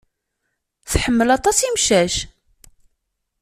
Tḥemmel aṭas imcac.